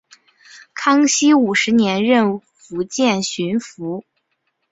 康熙五十年任福建巡抚。